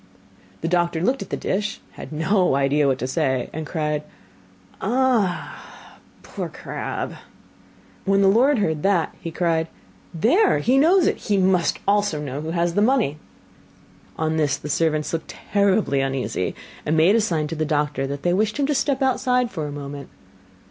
The doctor looked at the dish, had no idea what to say, and cried: 'Ah, poor Crabb.' When the lord heard that, he cried: 'There! he knows it; he must also know who has the money!' On this the servants looked terribly uneasy, and made a sign to the doctor that they wished him to step outside for a moment.